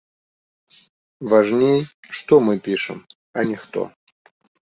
Важней, што мы пішам, а не хто.